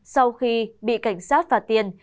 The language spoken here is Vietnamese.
sau khi bị cảnh sát phạt tiền